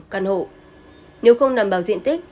căn hộ nếu không đảm bảo diện tích